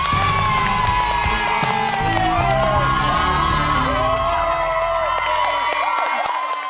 เย่